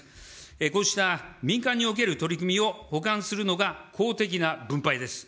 こうした民間における取り組みを補完するのが公的な分配です。